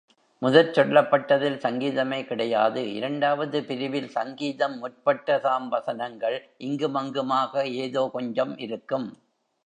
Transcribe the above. முதற் சொல்லப்பட்டதில் சங்கீதமே கிடையாது இரண்டாவது பிரிவில் சங்கீதம் முற்பட்டதாம் வசனங்கள் இங்கும் அங்குமாக, ஏதோ கொஞ்சம் இருக்கும்.